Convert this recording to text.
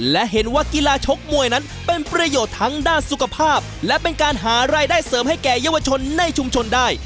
และเห็นว่ากีฬาชกมวยนั้นเป็นประโยชน์ทั้งด้านสุขภาพและเป็นการหารายได้เสริมให้แก่เยาวชนในชุมชนได้